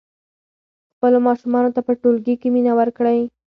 خپلو ماشومانو ته په ټولګي کې مینه ورکړئ.